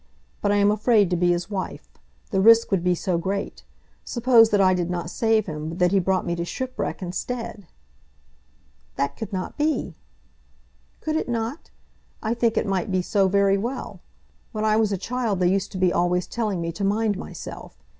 But I am afraid to be his wife. The risk would be so great. Suppose that I did not save him, but that he brought me to shipwreck instead?" "That could not be!" "Could it not? I think it might be so very well. When I was a child they used to be always telling me to mind myself.